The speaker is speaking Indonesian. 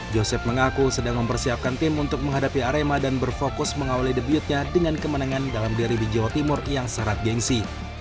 joseph mengaku sedang mempersiapkan tim untuk menghadapi arema dan berfokus mengawali debutnya dengan kemenangan dalam diri di jawa timur yang syarat gengsi